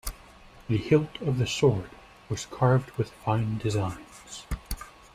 The hilt of the sword was carved with fine designs.